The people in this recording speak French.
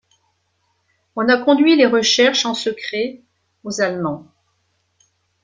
On a conduit les recherches en secret aux Allemands.